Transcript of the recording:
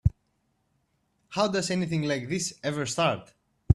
How does anything like this ever start?